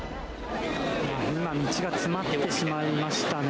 今、道が詰まってしまいましたね。